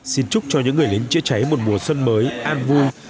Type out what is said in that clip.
xin chúc cho những người lính chữa cháy một mùa xuân mới an vui